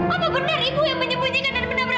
apa benar ibu yang menyembunyikan dan menabrak anak saya